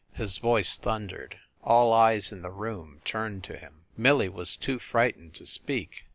His voice thundered. All eyes in the room turned to him. Millie was too frightened to speak.